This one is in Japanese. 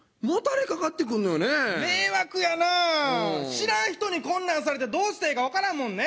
知らん人にこんなんされてどうしたらええかわからんもんね。